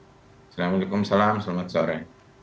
assalamualaikum salam selamat sore